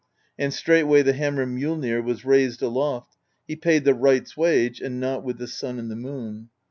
And straightway the hammer Mjollnir was raised aloft; he paid the wright's wage, and not with the sun and the moon.